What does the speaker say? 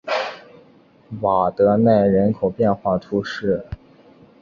瓦德奈人口变化图示